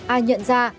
ai nhận ra